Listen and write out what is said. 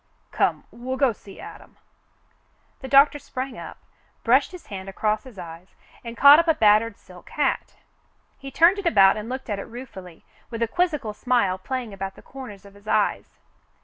Come, we'll go see Adam." The doctor sprang up, brushed his hand across his eyes, and caught up a battered silk hat. He turned it about and looked at it ruefully, with a quizzical smile playing about the corners of his eyes.